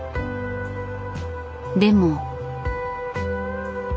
でも。